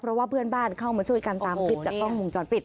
เพราะว่าเพื่อนบ้านเข้ามาช่วยกันตามคลิปจากกล้องวงจรปิด